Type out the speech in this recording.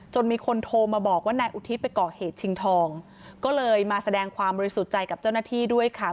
มีคนโทรมาบอกว่านายอุทิศไปก่อเหตุชิงทองก็เลยมาแสดงความบริสุทธิ์ใจกับเจ้าหน้าที่ด้วยค่ะ